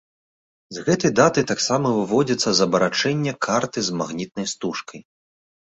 З гэтай даты таксама выводзяцца з абарачэння карты з магнітнай стужкай.